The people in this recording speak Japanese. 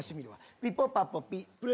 ピポパポピ。